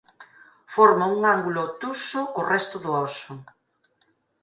Forma un ángulo obtuso co resto do óso.